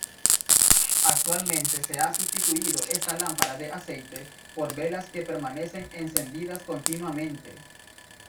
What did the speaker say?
Actualmente se ha sustituido esta lámpara de aceite por velas que permanecen encendidas continuamente.